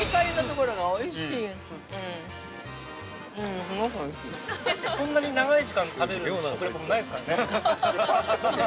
◆こんなに長い時間食べる食リポもないですからね。